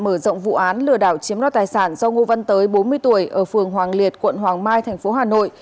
mở rộng vụ án lừa đảo chiếm đoạt tài sản do ngô văn tới bốn mươi tuổi ở phường hoàng liệt quận hoàng mai tp hà nội